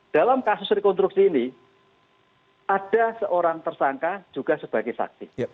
dalam kasus rekonstruksi ini ada seorang tersangka juga sebagai saksi